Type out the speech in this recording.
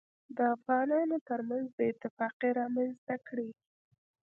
دافغانانوترمنځ بې اتفاقي رامنځته کړي